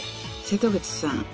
瀬戸口さん